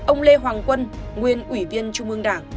ông lê hoàng quân nguyên ủy viên trung ương đảng